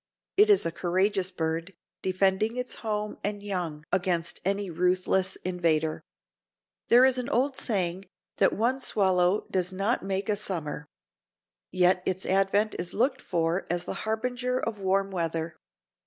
It is a courageous bird, defending its home and young against any ruthless invader. There is an old true saying that "one swallow does not make a summer." Yet its advent is looked for as the harbinger of warm weather.